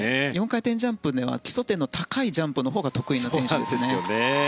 ４回転ジャンプでは基礎点の高いジャンプのほうが得意な選手です。